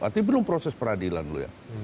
tapi belum proses peradilan dulu ya